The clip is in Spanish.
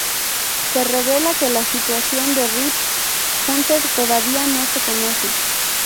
Se revela que la situación de Rip Hunter todavía no se conoce.